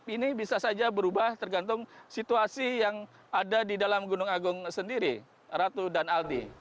ini bisa saja berubah tergantung situasi yang ada di dalam gunung agung sendiri ratu dan aldi